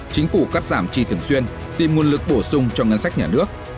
chính phủ cắt giảm chi thường xuyên tìm nguồn lực bổ sung cho ngân sách nhà nước